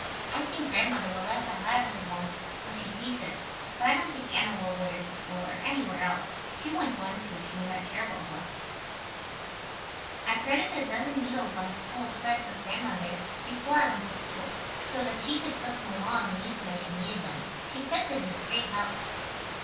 I think Grandmother will laugh out loud for once, when she sees it, but I don't think Anna will wear it to school or anywhere else. She wouldn't want to if she knew how terrible it looked. I threaded a dozen needles on a spool of thread for Grandmother, before I went to school, so that she could slip them along and use them as she needed them. She says it is a great help.